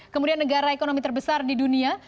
kemudian negara ekonomi terbesar di dunia